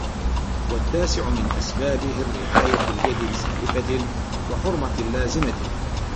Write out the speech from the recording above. وَالتَّاسِعُ مِنْ أَسْبَابِهِ الرِّعَايَةُ لِيَدٍ سَالِفَةٍ ، وَحُرْمَةٍ لَازِمَةٍ